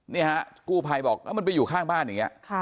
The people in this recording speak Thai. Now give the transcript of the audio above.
เนี่ยฮะกู้ไพบอกว่ามันไปอยู่ข้างบ้านเนี่ย